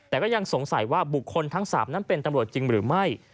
แต่ก็ยังสงสัยว่าบุคคลทั้ง๓นั้นเป็นตำรวจจริงหรือไม่